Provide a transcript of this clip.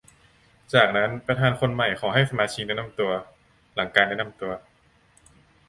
จากนั้นประธานคนใหม่ขอให้สมาชิกแนะนำตัว หลังการแนะนำตัว